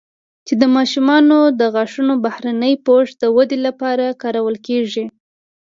چې د ماشومانو د غاښونو بهرني پوښ د ودې لپاره کارول کېږي